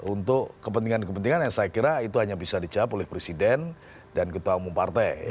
untuk kepentingan kepentingan yang saya kira itu hanya bisa dijawab oleh presiden dan ketua umum partai